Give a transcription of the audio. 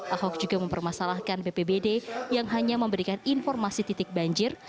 ahok juga mempermasalahkan bpbd yang hanya memberikan informasi titik banjir